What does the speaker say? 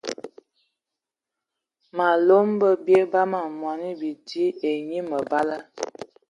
Malom bə bie bam mɔni bidi ai enyi məbala.